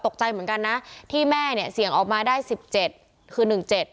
ตกใจเหมือนกันนะที่แม่เนี่ยเสี่ยงออกมาได้สิบเจ็ดคือหนึ่งเจ็ด